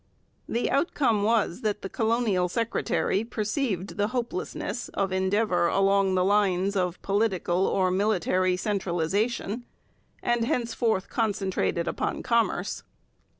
The outcome was that the colonial secretary perceived the hopelessness of endeavour along the lines of political or military centralization, and henceforth concentrated upon commerce.